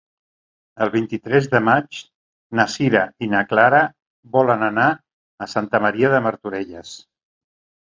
El vint-i-tres de maig na Sira i na Clara volen anar a Santa Maria de Martorelles.